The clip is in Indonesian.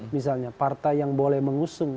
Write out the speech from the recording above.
misalnya partai yang boleh mengusung